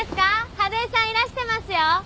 春江さんいらしてますよ。